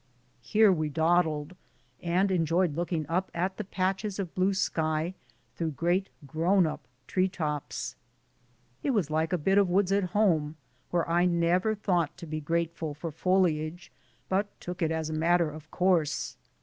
Here we dawdled, and enjoyed looking up at the patches of blue sky through great grown up tree tops. It was like a bit of woods at home, where I never thought to be grateful for foliage, but took it as a matter of course.